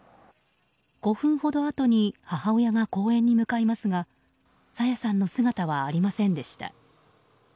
５分ほどあとに母親が公園に向かいますが朝芽さんの姿はありませんでした。